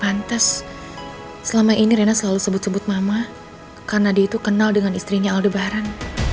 lantas selama ini rena selalu sebut sebut mama karena dia itu kenal dengan istrinya aldebaran